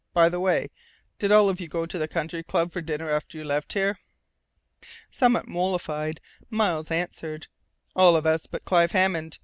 By the way, did all of you go to the Country Club for dinner after you left here?" Somewhat mollified, Miles answered: "All of us but Clive Hammond.